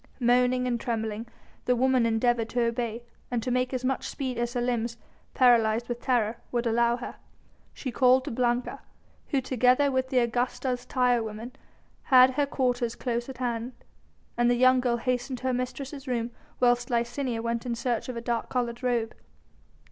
Moaning and trembling, the woman endeavoured to obey and to make as much speed as her limbs, paralysed with terror, would allow her. She called to Blanca, who together with the Augusta's tire women had her quarters close at hand, and the young girl hastened to her mistress's room whilst Licinia went in search of a dark coloured robe.